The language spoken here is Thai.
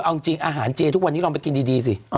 เอาจริงอาหารเจทุกวันนี้ลองไปกินดีสิ